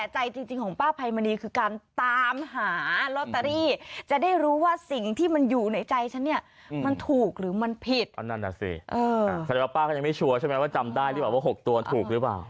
แสดงว่าป้าก็ยังไม่ชัวร์ใช่ไหมว่าจำได้หรือเปล่าว่า๖ตัวถูกหรือเปล่า